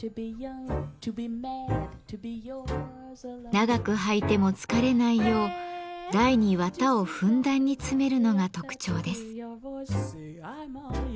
長く履いても疲れないよう台に綿をふんだんに詰めるのが特徴です。